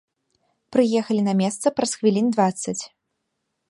Прыехалі на месца праз хвілін дваццаць.